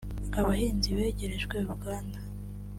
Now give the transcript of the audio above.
Abahinzi begerejwe uruganda